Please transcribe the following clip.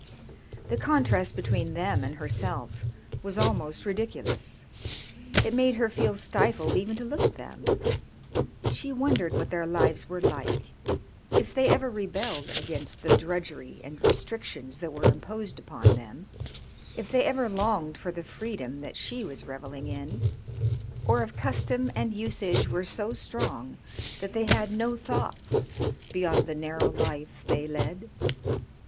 The contrast between them and herself was almost ridiculous. It made her feel stifled even to look at them. She wondered what their lives were like, if they ever rebelled against the drudgery and restrictions that were imposed upon them, if they ever longed for the freedom that she was revelling in, or if custom and usage were so strong that they had no thoughts beyond the narrow life they led.